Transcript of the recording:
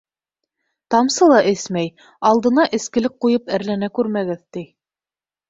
Тамсы ла эсмәй, алдына эскелек ҡуйып әрләнә күрмәгеҙ, ти.